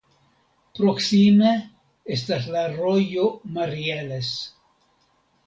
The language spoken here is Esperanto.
Proksime estas la rojo Marieles.